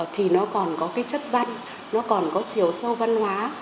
thì nó còn có cái chất văn nó còn có chiều sâu văn hóa